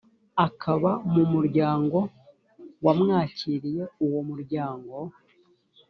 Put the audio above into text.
akaba mu muryango wamwakiriye uwo muryango